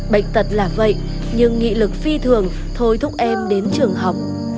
bệnh tật là vậy nhưng nghị lực phi thường thôi thúc em đến trường học